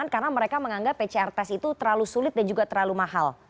karena mereka menganggap pcr test itu terlalu sulit dan juga terlalu mahal